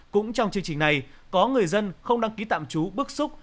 cũng trong chương trình này có người dân không đăng ký tạm trú bức xúc